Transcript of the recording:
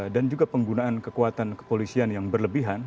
dan juga penggunaan kekuatan kepolisian yang berlebihan